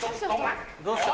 どうした？